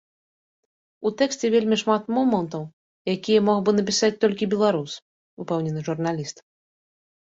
У тэксце вельмі шмат момантаў, якія мог бы напісаць толькі беларус, упэўнены журналіст.